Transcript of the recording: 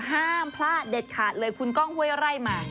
ห้ามพลาดเด็ดขาดเลยคุณก้องห้วยไร่มา